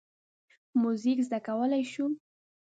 موزیک زده کولی شو.